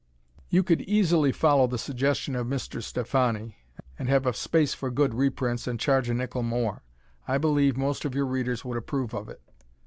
You could easily follow the suggestion of Mr. Stephani, and have a space for good reprints and charge a nickel more. I believe most of your Readers would approve of it.